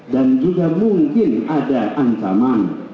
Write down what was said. dan juga mungkin ada ancaman